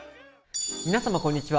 皆様こんにちは。